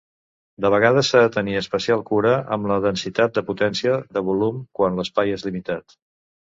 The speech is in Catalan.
De vegades, s'ha de tenir especial cura amb la densitat de potència de volum quan l'espai és limitat.